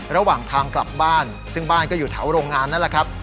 ระหว่างทางกลับบ้านซึ่งบ้านก็อยู่แถวโรงงานนั่นแหละครับ